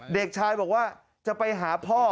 เด็กชายบอกว่าจะไปหาพ่อ